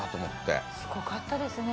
すごかったですね